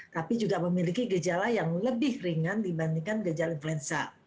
tapi juga memiliki gejala yang lebih ringan dibandingkan gejala influenza